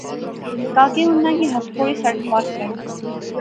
کاکے اُناں کی ہتھ پوڑی سڑک پار کرائی